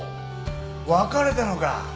別れたのか。